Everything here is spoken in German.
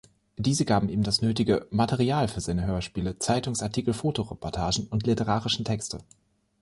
Diese gaben ihm das nötige „Material“ für seine Hörspiele, Zeitungsartikel, Fotoreportagen und literarischen Texte.